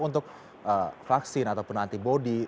untuk vaksin ataupun antibody